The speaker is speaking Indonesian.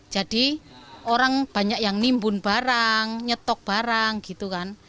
jadi orang banyak yang nimbun barang nyetok barang gitu kan